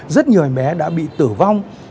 rất nhiều em bé đã bị tử vong